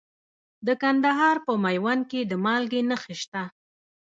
د کندهار په میوند کې د مالګې نښې شته.